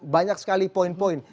banyak sekali poin poin